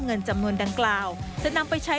เงินจำนวนดังกล่าวจะนำไปใช้